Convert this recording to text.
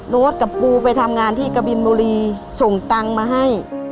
โน้ตกับปูไปทำงานที่กะบินบุรีส่งตังค์มาให้